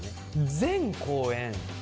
全公演。